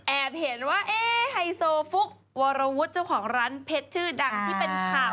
เห็นว่าเอ๊ะไฮโซฟุกวรวุฒิเจ้าของร้านเพชรชื่อดังที่เป็นข่าว